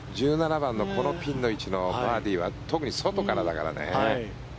１７番のこのピンの位置のバーディーは特に外からだからね。